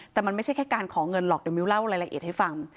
แต่มันไม่ใช่แค่การขอเงินหรอกเดี๋ยวมิ้วเล่ารายละเอียดให้ฟัง